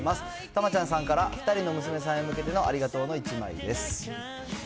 たまちゃんさんから２人の娘さんへ向けてのありがとうの１枚です。